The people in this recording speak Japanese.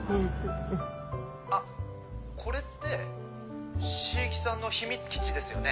あっこれって椎木さんの秘密基地ですよね？